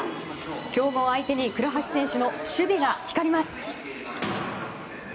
強豪相手に倉橋選手の守備が光ります。